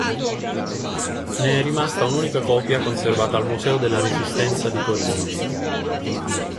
Ne è rimasta un'unica copia, conservata al Museo della Resistenza di Torino.